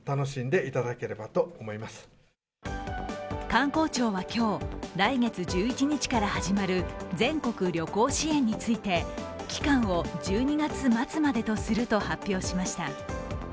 観光庁は今日、来月１１日から始まる全国旅行支援について期間を１２月末までとすると発表しました。